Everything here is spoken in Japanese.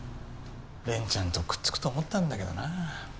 ちゃんとくっつくと思ったんだけどな。